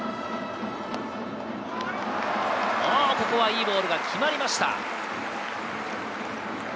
ここは、いいボールが決まりました。